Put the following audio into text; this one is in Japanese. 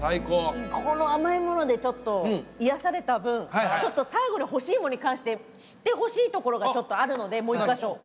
この甘いものでちょっと癒やされた分ちょっと最後に干し芋に関して知ってほしいところがちょっとあるのでもう１か所。